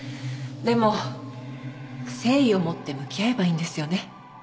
でも誠意をもって向き合えばいいんですよね。